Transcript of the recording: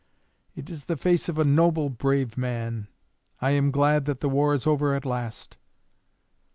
It is the face of a noble, brave man. I am glad that the war is over at last."